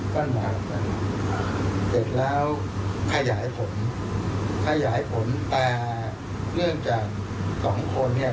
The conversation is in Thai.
เสร็จแล้วขยายผลแต่เรื่องจากสองคนเนี่ย